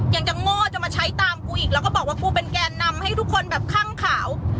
ยังจะโง่จะมาใช้ตามกูอีกแล้วก็บอกว่ากูเป็นแกนนำให้ทุกคนแบบข้างขาว